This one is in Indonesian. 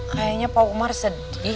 kayaknya pak umar sedih